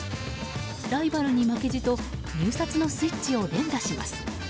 ライバルに負けじと入札のスイッチを連打します。